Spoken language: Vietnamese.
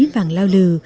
vàng lao lừ